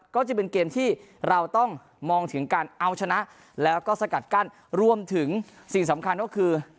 ก็จะเป็นเกมที่เราต้องมองถึงการเอาชนะแล้วก็สกัดกั้นรวมถึงสิ่งสำคัญก็คือ